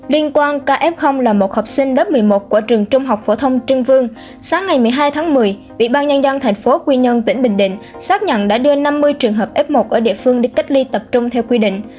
liên quan kf là một học sinh lớp một mươi một của trường trung học phổ thông trương vương sáng ngày một mươi hai tháng một mươi ubnd tp quy nhơn tỉnh bình định xác nhận đã đưa năm mươi trường hợp f một ở địa phương đi cách ly tập trung theo quy định